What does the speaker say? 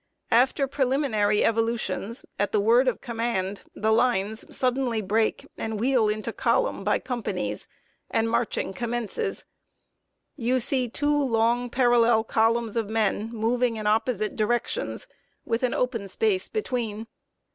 After preliminary evolutions, at the word of command, the lines suddenly break and wheel into column by companies, and marching commences. You see two long parallel columns of men moving in opposite directions, with an open space between.